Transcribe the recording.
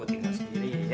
ah jatoh lagi